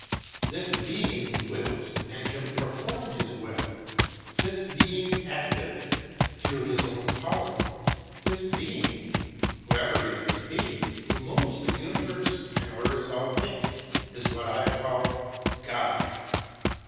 This being who wills and can perform his will, this being active through his own power, this being, whoever he may be, who moves the universe and orders all things, is what I call God.